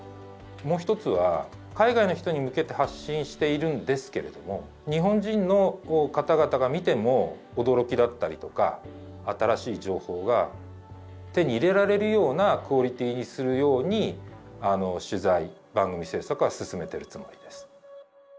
もう一つは海外の人に向けて発信しているんですけれども日本人の方々が見ても驚きだったりとか新しい情報が手に入れられるようなクオリティーにするように取材・番組制作は進めてるつもりです。